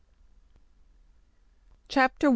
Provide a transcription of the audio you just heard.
CHAPTER I.